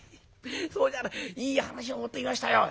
「そうじゃないいい話を持ってきましたよ。